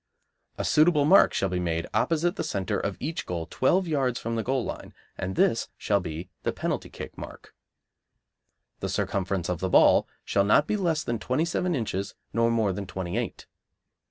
A suitable mark shall be made opposite the centre of each goal twelve yards from the goal line; this shall be the penalty kick mark. The circumference of the ball shall not be less than twenty seven inches nor more than twenty eight.